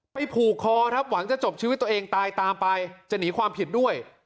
ผูกคอครับหวังจะจบชีวิตตัวเองตายตามไปจะหนีความผิดด้วย